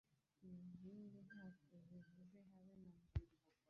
izindi ntacyo zivuze habe namba